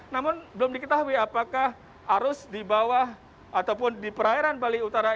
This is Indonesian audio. namun belum diketahui apakah arus di bawah ataupun di perairan bali utara